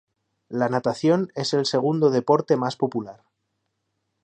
La natación es el segundo deporte más popular.